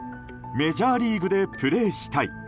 メジャーリーグでプレーしたい。